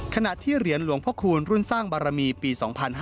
ขณะที่เหรียญหลวงพระคูณรุ่นสร้างบารมีปี๒๕๕๙